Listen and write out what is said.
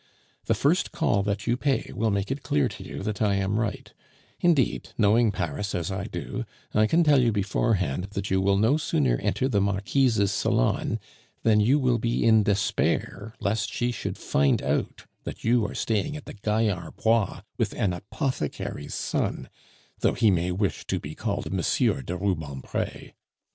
The first call that you pay will make it clear to you that I am right; indeed, knowing Paris as I do, I can tell you beforehand that you will no sooner enter the Marquise's salon than you will be in despair lest she should find out that you are staying at the Gaillard Bois with an apothecary's son, though he may wish to be called M. de Rubempre.